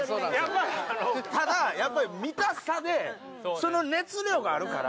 ただやっぱり見たさでその熱量があるから。